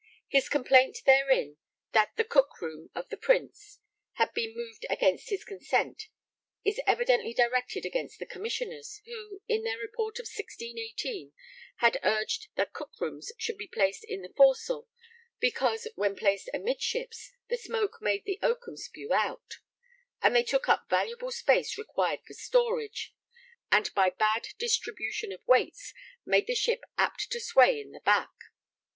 His complaint therein that the cook room of the Prince had been moved against his consent is evidently directed against the Commissioners, who, in their report of 1618, had urged that cook rooms should be placed in the forecastle because, when placed amidships, the smoke made 'the okam spew out,' and they took up valuable space required for storage, and by bad distribution of weights made the ship 'apt to sway in the back.'